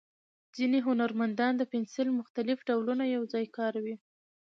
ځینې هنرمندان د پنسل مختلف ډولونه یو ځای کاروي.